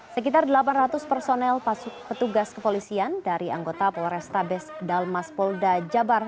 sekitar delapan ratus personel petugas kepolisian dari anggota polrestabes dalmas polda jabar